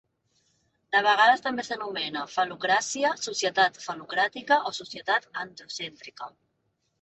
De vegades també s'anomena fal·locràcia, societat fal·locràtica o societat androcèntrica.